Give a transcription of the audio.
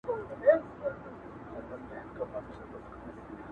کلونه وروسته هم کيسه ژوندۍ وي,